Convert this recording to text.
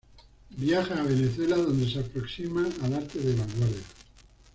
Viaja a Venezuela, donde se aproxima al arte de vanguardia.